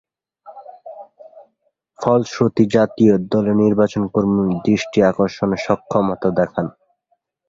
ফলশ্রুতিতে, জাতীয় দল নির্বাচকমণ্ডলীর দৃষ্টি আকর্ষণে সক্ষমতা দেখান।